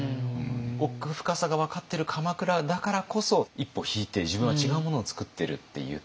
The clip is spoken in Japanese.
奥深さが分かってる鎌倉だからこそ一歩引いて自分は違うものを作ってるって言った。